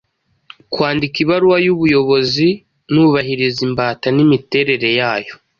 Kwandika ibaruwa y’ubuyobozi nubahiriza imbata n’imiterere yayo.